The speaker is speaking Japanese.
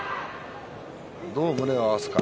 どう胸を合わせるか。